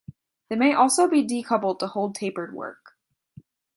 They may also be decoupled to hold tapered work.